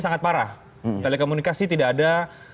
sangat parah telekomunikasi tidak ada